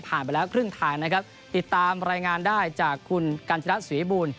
ไปแล้วครึ่งทางนะครับติดตามรายงานได้จากคุณกัญจรัฐสุริบูรณ